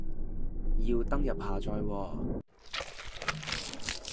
要登入下載喎